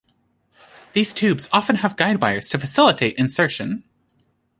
These tubes often have guidewires to facilitate insertion.